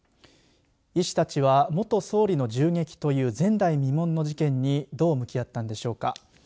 医師たちは、元総理の銃撃という前代未聞の事件にどう向き合ったんでしょうか。